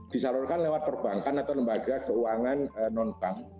disalurkan lewat perbankan atau lembaga keuangan non bank